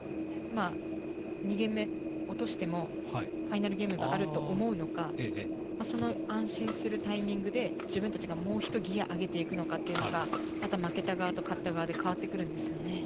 ２ゲーム目を落としてもファイナルゲームがあると思うのが、その安心するタイミングで自分たちがもうひとギア上げて行くのが負けた側と勝った側で変わってくるんですよね。